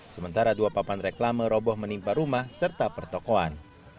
sementara dua papan reklame roboh menimpa rumah serta pertokohan